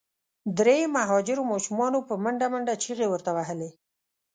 درې مهاجرو ماشومانو په منډه منډه چیغي ورته وهلې.